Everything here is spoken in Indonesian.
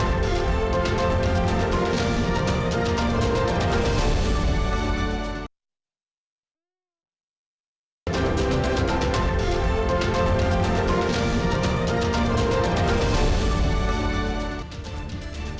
terima kasih bang frits